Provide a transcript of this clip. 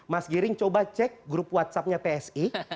mas giring coba cek grup whatsappnya psi